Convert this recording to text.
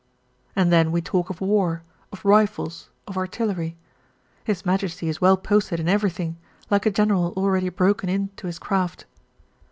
And then we talk of war, of rifles, of artillery. His Majesty is well posted in everything, like a general already broken in to his craft.